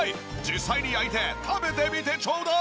実際に焼いて食べてみてちょーだい！